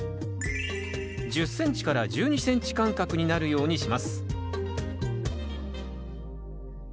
１０ｃｍ１２ｃｍ間隔になるようにします